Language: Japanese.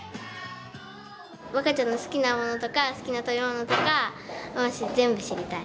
わかちゃんの好きなものとか好きな食べ物とか全部知りたい！